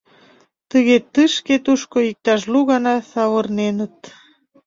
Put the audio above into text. Тыге тышке-тушко иктаж лу гана савырненыт.